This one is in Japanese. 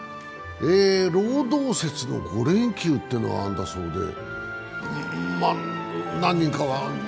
労働節の５連休というのがあるそうです。